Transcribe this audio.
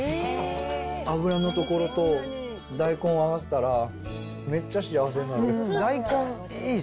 脂のところと大根合わせたら、めっちゃ幸せになる。